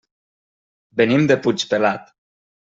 Venim de Puigpelat.